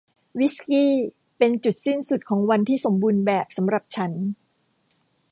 วิสกี้เป็นจุดสิ้นสุดของวันที่สมบูรณ์แบบสำหรับฉัน